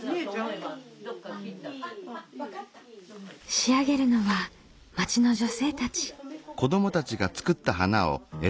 仕上げるのは町の女性たち。